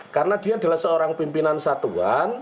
karena dia adalah seorang pimpinan satuan